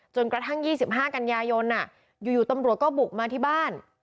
จนกระทั่ง๒๕กันยายนอยู่ตำรวจก็บุกมาที่บ้าน